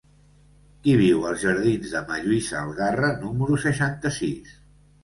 Qui viu als jardins de Ma. Lluïsa Algarra número seixanta-sis?